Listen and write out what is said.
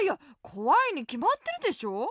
こわいにきまってるでしょ。